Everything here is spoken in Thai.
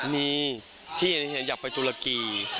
มีที่อยากไปตุรกี